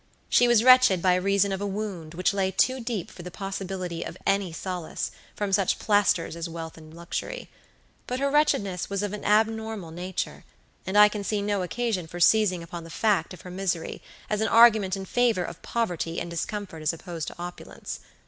She was wretched by reason of a wound which lay too deep for the possibility of any solace from such plasters as wealth and luxury; but her wretchedness was of an abnormal nature, and I can see no occasion for seizing upon the fact of her misery as an argument in favor of poverty and discomfort as opposed to opulence.